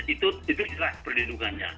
itu jelas perlindungannya